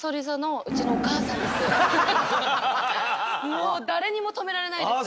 もう誰にも止められないです。